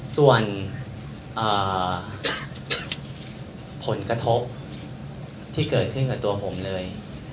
ส่วนผลกระทบที่เกิดขึ้นกับตัวผมเลย